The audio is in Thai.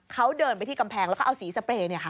เขาเดินไปที่กำแพงแล้วก็เอาสีสเปรย์